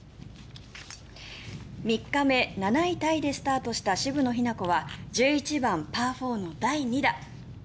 ３日目、７位タイでスタートした渋野日向子は１１番、パー４の第２打。